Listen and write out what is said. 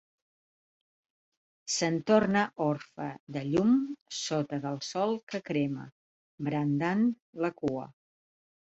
Se'n torna orfe de llum sota del sol que crema, brandant la cua.